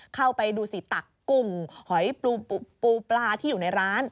เข้าไปดูสิตักกลุ่มหอยปูปลาที่อยู่ในร้าน